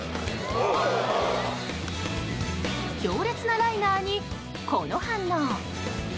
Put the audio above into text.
強烈なライナーに、この反応。